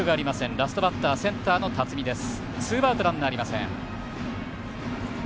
ラストバッターセンターの辰己です。